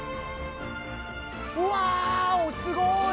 うわお、すごい！